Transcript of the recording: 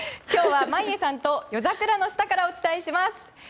今日は眞家さんと夜桜の下からお伝えします。